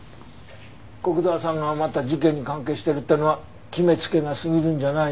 古久沢さんがまた事件に関係してるってのは決め付けが過ぎるんじゃない？